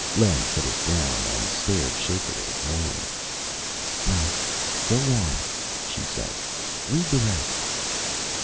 Len put it down and stared shakily at Moira. "No, go on," she said, "read the rest."